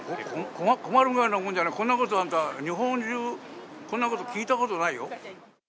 困るくらいなもんじゃない、こんなことはあんた、日本中、こんなこと聞いたことないよ。